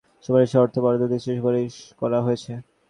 পুনরায় প্রকল্প সংশোধন করে সমপরিমাণ অর্থ বরাদ্দ দিতে সুপারিশ করা হয়েছে।